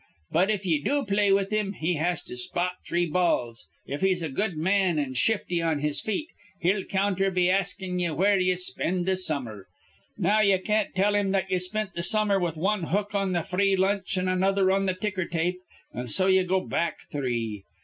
But, if ye do play with him, he has to spot three balls. If he's a good man an' shifty on his feet, he'll counter be askin' ye where ye spend th' summer. Now ye can't tell him that ye spent th' summer with wan hook on th' free lunch an' another on th' ticker tape, an' so ye go back three.